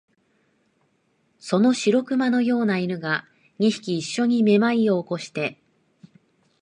その白熊のような犬が、二匹いっしょにめまいを起こして、